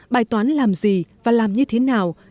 bài toán làm gì và làm như thế nào